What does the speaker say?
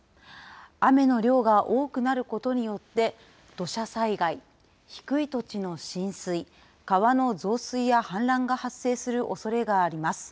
雨の量が多くなることによって、土砂災害、低い土地の浸水、川の増水や氾濫が発生するおそれがあります。